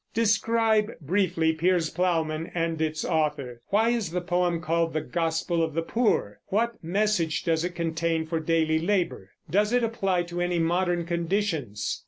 Describe briefly Piers Plowman and its author. Why is the poem called "the gospel of the poor"? What message does it contain for daily labor? Does it apply to any modern conditions?